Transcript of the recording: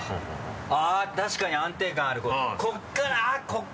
あっ確かに安定感あるこっち